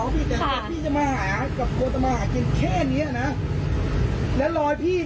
ไม่ได้อยากทะเลาะพี่